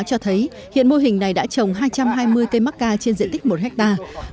cho thấy hiện mô hình này đã trồng hai trăm hai mươi cây mắc ca trên diện tích một hectare